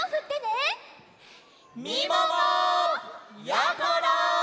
やころ！